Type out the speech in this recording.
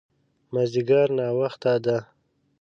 مازديګر ناوخته ده